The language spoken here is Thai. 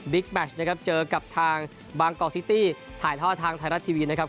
แมชนะครับเจอกับทางบางกอกซิตี้ถ่ายท่อทางไทยรัฐทีวีนะครับ